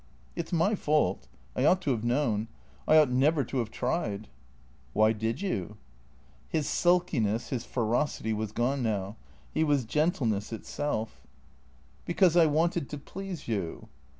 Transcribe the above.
" It 's my fault. I ought to have known. I ought never to have tried." " Why did you ?" His sulkiness, his ferocity, was gone now ; he was gentleness itself. i6 250 THE CREATORS " Because I wanted to please you."